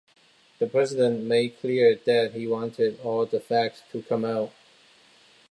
The President made clear that he wanted all the facts to come out.